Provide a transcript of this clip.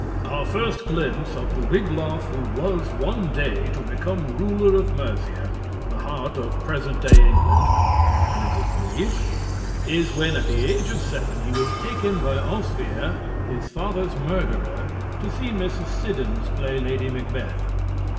Our first glimpse of the Wiglaf who was one day to become ruler of Mercia, the heart of present day England (music, please), is when at the age of seven he was taken by Oswier, his father's murderer, to see Mrs. Siddons play _Lady Macbeth.